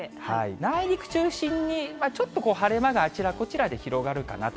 内陸中心にちょっと晴れ間があちらこちらで広がるかなと。